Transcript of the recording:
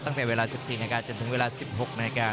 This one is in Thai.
ตั้งแต่เวลา๑๔นาทีจนถึงเวลา๑๖นาฬิกา